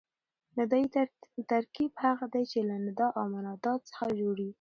ندایي ترکیب هغه دئ، چي له ندا او منادا څخه جوړ يي.